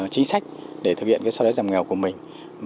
chính sách để thực hiện so với giảm nghèo của mình